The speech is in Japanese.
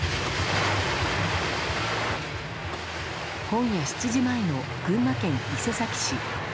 今夜７時前の群馬県伊勢崎市。